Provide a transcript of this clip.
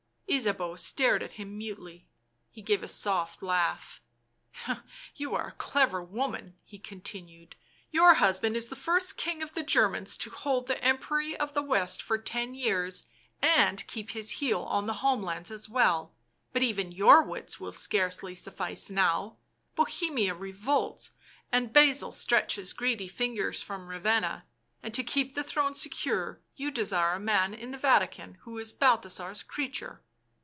Ysabeau stared at him mutely; he gave a soft laugh. " You are a clever woman," he continued. " Your husband is the first King of the Germans to hold the Empery of the West for ten years and keep his heel on the home lands as well ; but even your wits will scarcely suffice now ; Bohemia revolts, and Basil stretches greedy fingers from Ravenna, and to keep the throne secure you desire a man in the Vatican who is Balthasar's creature."